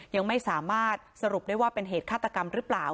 ยังไม่สามารถสรุปได้ว่าเป็นเหตุฆาตกรรมหรือเปล่า